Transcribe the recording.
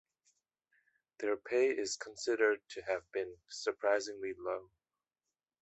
Their pay is considered to have been surprisingly low.